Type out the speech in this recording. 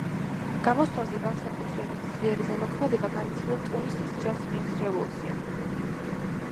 გამოსვლაზე განსაკუთრებით ძლიერი ზემოქმედება განიცადა ტუნისის ჟასმინის რევოლუციამ.